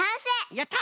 やった！